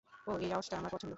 ওহ, এই আওয়াজটা আমার পছন্দ।